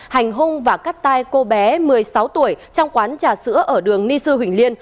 hành hung và cắt tai cô bé một mươi sáu tuổi trong quán trà sữa ở đường ni sư huỳnh liên